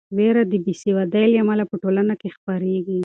وېره د بې سوادۍ له امله په ټولنه کې خپریږي.